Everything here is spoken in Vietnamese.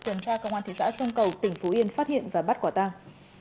công an thị xã sông cầu tỉnh phú yên phát hiện và bắt quả tăng